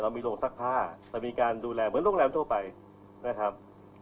มีโรงซักผ้าเรามีการดูแลเหมือนโรงแรมทั่วไปนะครับ